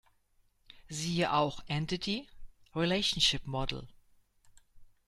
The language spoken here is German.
Siehe auch Entity-Relationship-Modell.